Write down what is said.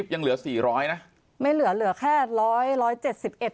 ยังเหลือสี่ร้อยนะไม่เหลือเหลือแค่ร้อยร้อยเจ็ดสิบเอ็ด